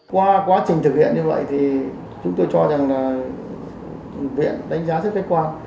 qua quá trình thực hiện như vậy thì chúng tôi cho rằng là viện đánh giá rất khách quan